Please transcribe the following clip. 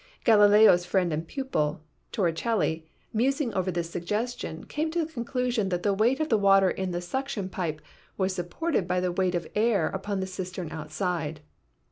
Galileo's friend and pupil, Torricelli, musing over this suggestion, came to the conclusion that the weight of the water in the suction pipe was supported by the weight of air upon the cistern outside.